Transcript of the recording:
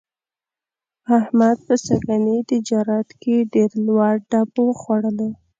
احمد په سږني تجارت کې ډېر لوی ډب وخوړلو.